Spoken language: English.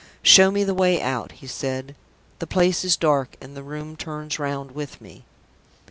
"Show me the way out," he said. "The place is dark, and the room turns round with me."